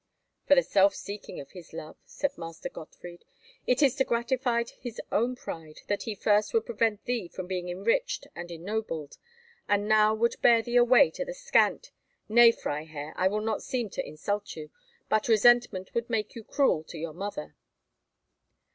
"For the self seeking of his love," said Master Gottfried. "It is to gratify his own pride that he first would prevent thee from being enriched and ennobled, and now would bear thee away to the scant—Nay, Freiherr, I will not seem to insult you, but resentment would make you cruel to your mother."